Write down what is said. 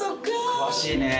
詳しいね。